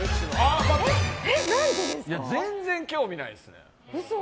全然興味ないですね。